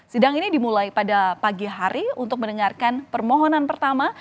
sidang ini dimulai pada pagi hari untuk mendengarkan permohonan pertama